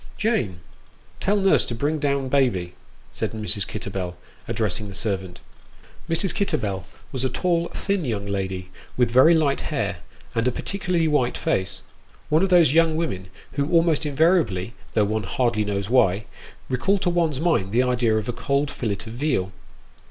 " Jane, tell nurse to bring down baby," said Mrs. Kitterbell, ad dressing the servant. Mrs. Kitterbell was a tall, thin young lady, with very light hair, and a particularly white face one of those young women who almost invariably, though one hardly knows why, recall to one's mind the idea of a cold fillet of veal.